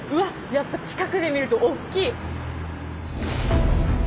やっぱ近くで見るとおっきい！